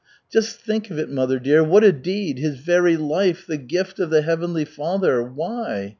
Just think of it, mother dear, what a deed! His very life, the gift of the Heavenly Father. Why?